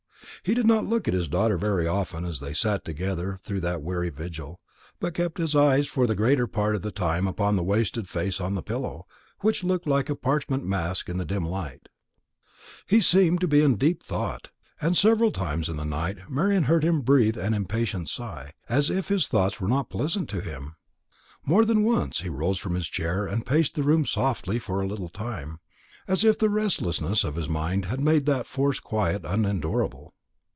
He did not look at his daughter very often as they sat together through that weary vigil, but kept his eyes for the greater part of the time upon the wasted face on the pillow, which looked like a parchment mask in the dim light. He seemed to be deep in thought, and several times in the night Marian heard him breathe an impatient sigh, as if his thoughts were not pleasant to him. More than once he rose from his chair and paced the room softly for a little time, as if the restlessness of his mind had made that forced quiet unendurable.